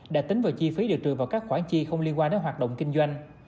đã tính vào chi phí điều trừ vào các khoản chi không liên quan đến hoạt động kinh doanh